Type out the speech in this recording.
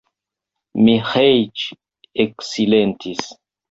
Miĥeiĉ eksilentis.